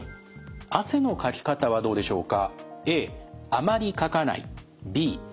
汗のかき方はどうでしょうか？